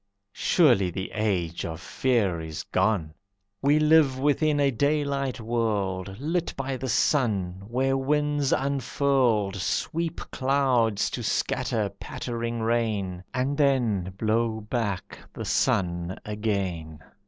Surely the age of fear is gone. We live within a daylight world Lit by the sun, where winds unfurled Sweep clouds to scatter pattering rain, And then blow back the sun again.